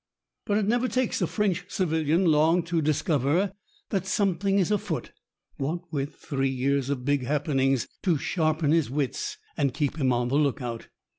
But it never takes a French civilian long to discover that something is afoot what with three years of big happenings to sharpen his wits and keep him on the lookout.